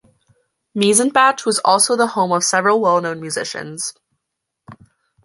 Miesenbach was also the home of several well-known musicians.